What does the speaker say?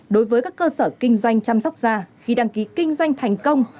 đối với các cơ sở kinh doanh chăm sóc da khi đăng ký kinh doanh thành công